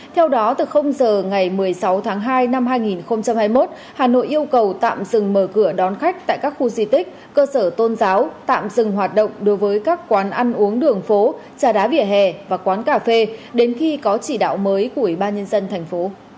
theo đó từ giờ ngày một mươi sáu tháng hai năm hai nghìn hai mươi một hà nội yêu cầu tạm dừng mở cửa đón khách tại các khu di tích cơ sở tôn giáo tạm dừng hoạt động đối với các quán ăn uống đường phố trà đá vỉa hè và quán cà phê đến khi có chỉ đạo mới của ủy ban nhân dân thành phố